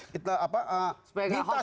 kita putar disini